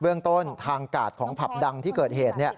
เรื่องต้นทางกาดของผับดังที่เกิดเหตุ